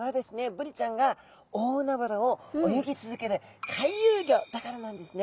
ブリちゃんが大海原を泳ぎ続ける回遊魚だからなんですね。